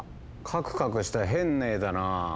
カクカクした変な絵だな。